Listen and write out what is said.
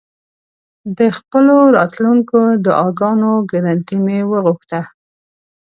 د خپلو راتلونکو دعاګانو ګرنټي مې وغوښته.